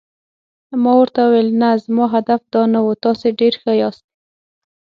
ما ورته وویل: نه، زما هدف دا نه و، تاسي ډېر ښه یاست.